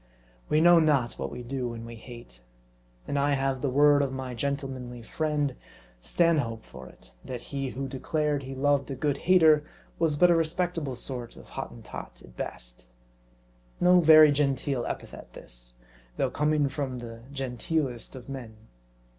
We know not what we do when we hate. And I have the word of my gentlemanly friend Stanhope, for it ; that he who declared he loved a good hater was but a respectable sort of Hotten tot, at best. No very genteel epithet this, though coming from the genteelest of men.